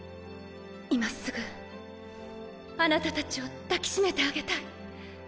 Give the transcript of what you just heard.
今すぐあなた達を抱きしめてあげたい。